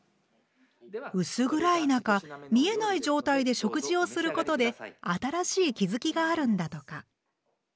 薄暗い中見えない状態で食事をすることで新しい気付きがあるんだとか。